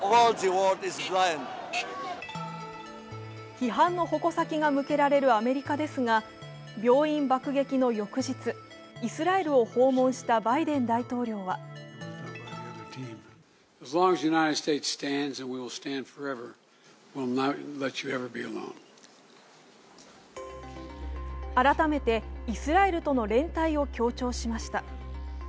批判の矛先が向けられるアメリカですが病院爆撃の翌日、イスラエルを訪問したバイデン大統領は改めてイスラエルとの連帯を強調しました。